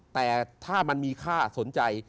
แต่ถ้ามันมีค่าสนใจ